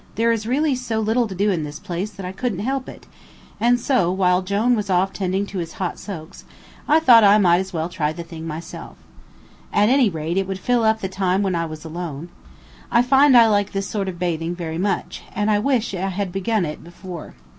There really is so little to do in this place that I couldn't help it, and so, while Jone was off tending to his hot soaks, I thought I might as well try the thing myself. At any rate it would fill up the time when I was alone. I find I like this sort of bathing very much, and I wish I had begun it before.